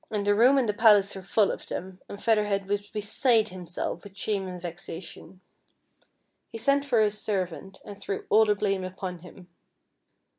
241 the room and tlie palace were full of them, and Feather Head was beside himself with shame and vexation. He sent for his servant, and threw all the blame upon him.